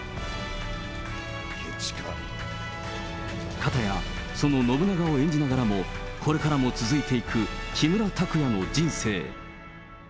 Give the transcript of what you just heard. かたや、その信長を演じながらも、これからも続いていく木村拓哉の人生。